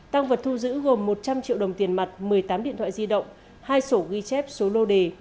tăng vật thu giữ gồm một trăm linh triệu đồng tiền mặt một mươi tám điện thoại di động hai sổ ghi chép số lô đề